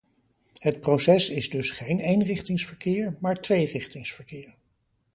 Het proces is dus geen eenrichtingsverkeer, maar tweerichtingsverkeer.